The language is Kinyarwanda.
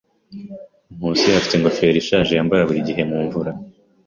Nkusi afite ingofero ishaje yambara buri gihe mu mvura.